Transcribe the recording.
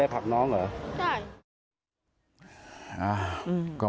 ไม่รู้ไม่รู้ไม่รู้